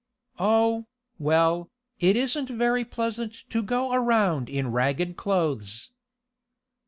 "Oh, well, it isn't very pleasant to go around in ragged clothes."